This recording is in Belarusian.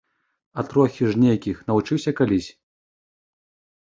А трохі ж нейкіх навучыўся калісь.